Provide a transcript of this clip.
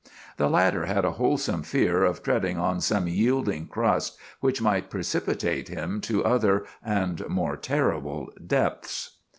The latter had a wholesome fear of treading on some yielding crust which might precipitate him to other and more terrible depths.